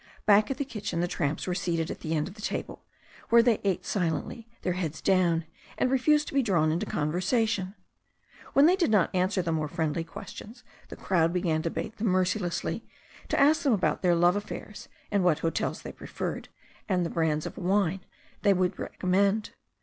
Back at the kitchen the tramps were seated at the end of the tahle, where they ate silently, their heads down, and re fused to be drawn into conversation. When they did not answer the more friendly questions the crowd began to bait them mercilessly, to ask them about their love affairs, and what hotels they preferred, and the brands of wine they would recommend.